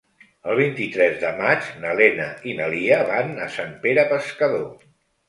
El vint-i-tres de maig na Lena i na Lia van a Sant Pere Pescador.